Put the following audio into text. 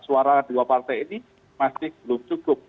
suara dua partai ini masih belum cukup